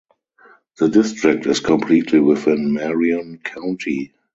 The district is completely within Marion County.